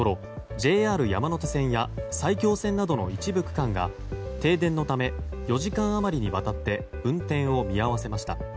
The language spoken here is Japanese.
ＪＲ山手線や埼京線などの一部区間が停電のため４時間余りにわたって運転を見合わせました。